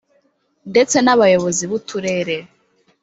ndetse n’abayobozi b’uturere